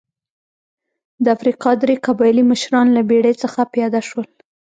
د افریقا درې قبایلي مشران له بېړۍ څخه پیاده شول.